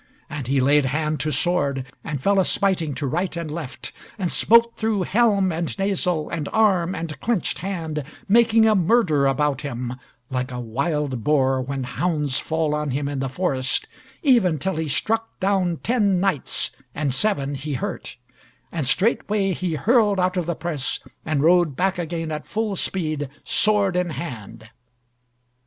And he laid hand to sword, and fell a smiting to right and left, and smote through helm and nasal, and arm, and clenched hand, making a murder about him, like a wild boar when hounds fall on him in the forest, even till he struck down ten knights, and seven he hurt; and straightway he hurled out of the press, and rode back again at full speed, sword in hand.